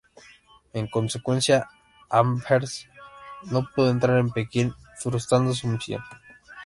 En consecuencia, Amherst no pudo entrar en Pekín, frustrando su misión.